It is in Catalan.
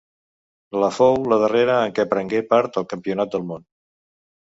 La fou la darrera en què prengué part al Campionat del Món.